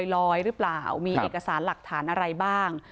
ลอยหรือเปล่ามีเอกสารหลักฐานอะไรบ้าง